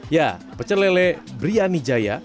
ya pecer lele briani jaya